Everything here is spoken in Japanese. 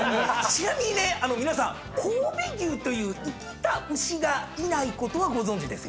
ちなみに皆さん神戸牛という生きた牛がいないことはご存じですよね？